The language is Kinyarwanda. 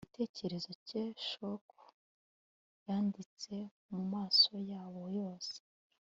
igitekerezo cye. shock yanditse mumaso yabo yose